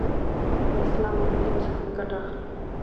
لـه اسـلام او ديـن څـخه ګـټه اخـلي .